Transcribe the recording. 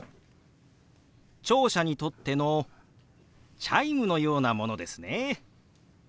聴者にとってのチャイムのようなものですね。